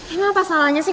ini apa salahnya sih